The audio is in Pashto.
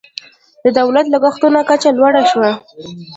د دولت لګښتونو کچه لوړه شوه.